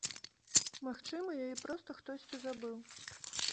Магчыма, яе проста хтосьці забыў.